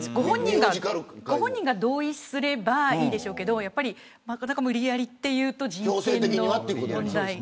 ご本人が同意すればいいでしょうけどなかなか無理やりというと人権の問題が。